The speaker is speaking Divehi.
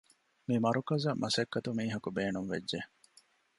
މިމަރުކަޒަށް މަސައްކަތު މީހަކު ބޭނުންވެއްޖެ